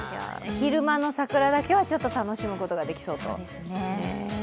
昼間の桜だけは、ちょっと楽しむことができそうと。